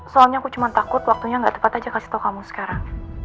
soalnya aku cuma takut waktunya gak tepat aja kasih tahu kamu sekarang